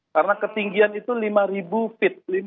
karena ketinggian itu lima feet